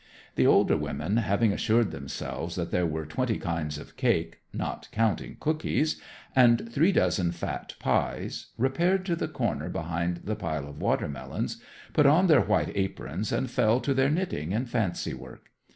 The older women, having assured themselves that there were twenty kinds of cake, not counting cookies, and three dozen fat pies, repaired to the corner behind the pile of watermelons, put on their white aprons, and fell to their knitting and fancy work.